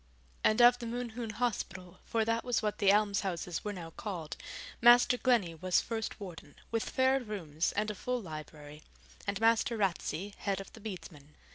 And of the Mohune Hospital for that was what the alms houses were now called Master Glennie was first warden, with fair rooms and a full library, and Master Ratsey head of the Bedesmen.